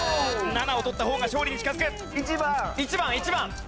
７を取った方が勝利に近づく。